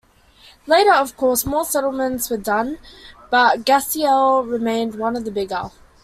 Later of course more settlements were done, but Gafsele remained one of the bigger.